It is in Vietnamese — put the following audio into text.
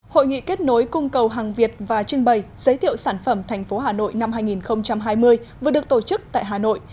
hội nghị kết nối cung cầu hàng việt và trưng bày giới thiệu sản phẩm thành phố hà nội năm hai nghìn hai mươi vừa được tổ chức tại hà nội